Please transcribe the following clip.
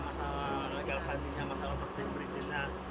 masalah legalisasi masalah seperti berizinnya